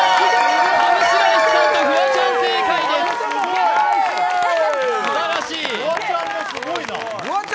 上白石さんとフワちゃん正解です、すばらしい。